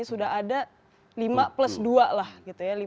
sudah ada lima plus dua lah gitu ya